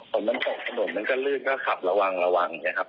ของม้งกับถนนมันจะเลือกก็ครับระวังนะครับ